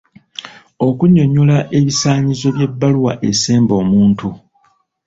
Okunnyonnyola ebisaanyizo by'ebbaluwa esemba omuntu.